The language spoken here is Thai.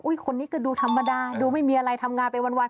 คนนี้ก็ดูธรรมดาดูไม่มีอะไรทำงานไปวัน